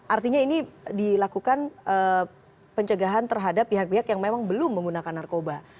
artinya ini dilakukan pencegahan terhadap pihak pihak yang memang belum menggunakan narkoba